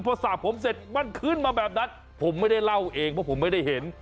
พอสาบผมเสร็จมันขึ้นมาแบบนั้นผมไม่ได้เล่าเองเพราะผมไม่ได้เห็น